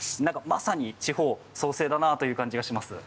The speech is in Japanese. まさに地方創生だなという感じがします。